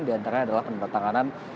diantara adalah penempat tanganan